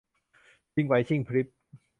ชิงไหวชิงพริบ